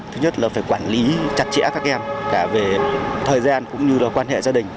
thứ nhất là phải quản lý chặt chẽ các em cả về thời gian cũng như là quan hệ gia đình